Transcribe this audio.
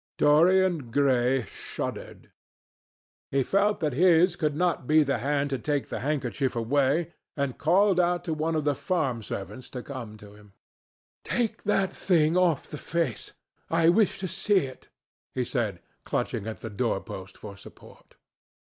Dorian Gray shuddered. He felt that his could not be the hand to take the handkerchief away, and called out to one of the farm servants to come to him. "Take that thing off the face. I wish to see it," he said, clutching at the door post for support.